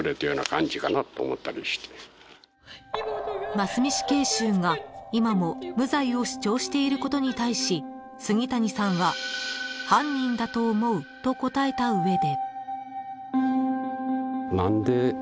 ［真須美死刑囚が今も無罪を主張していることに対し杉谷さんは「犯人だと思う」と答えた上で］